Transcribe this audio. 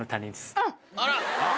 あっ！